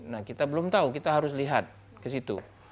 nah kita belum tahu kita harus lihat ke situ